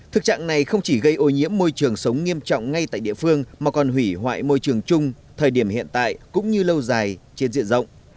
thực trạng này không chỉ gây ô nhiễm môi trường sống nghiêm trọng ngay tại địa phương mà còn hủy hoại môi trường chung thời điểm hiện tại cũng như lâu dài trên diện rộng